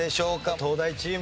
東大チーム。